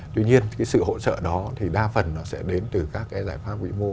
tuy nhiên cái sự hỗ trợ đó thì đa phần nó sẽ đến từ các cái giải pháp quy mô